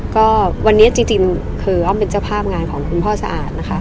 ก็วันนี้จริงคืออ้อมเป็นเจ้าภาพงานของคุณพ่อสะอาดนะคะ